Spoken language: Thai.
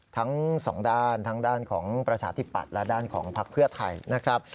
ทั้งสองด้านทั้งด้านของประชาธิปัตย์และด้านของพักเพื่อไทยนะครับ